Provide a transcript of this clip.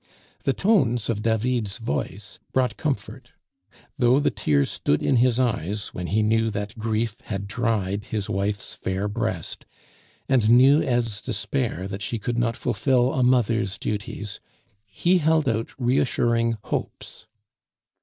The tones of David's voice brought comfort. Though the tears stood in his eyes when he knew that grief had dried his wife's fair breast, and knew Eve's despair that she could not fulfil a mother's duties, he held out reassuring hopes.